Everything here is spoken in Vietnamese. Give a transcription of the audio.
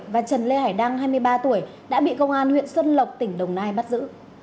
và trần lê hải đăng hai mươi ba tuổi đã bị công an huyện xuân lộc tỉnh đồng nai bắt giữ